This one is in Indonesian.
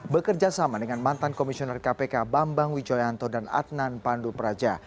bekerja sama dengan mantan komisioner kpk bambang wijoyanto dan adnan pandu praja